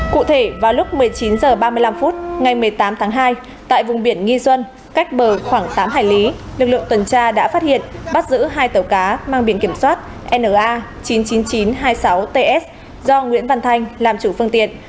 cụ thể vào lúc một mươi chín h ba mươi năm phút ngày một mươi tám tháng hai tại vùng biển nghi xuân cách bờ khoảng tám hải lý lực lượng tuần tra đã phát hiện bắt giữ hai tàu cá mang biển kiểm soát na chín mươi chín nghìn chín trăm hai mươi sáu ts do nguyễn văn thanh làm chủ phương tiện